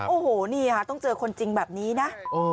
โอ้โหนี่ค่ะต้องเจอคนจริงแบบนี้นะ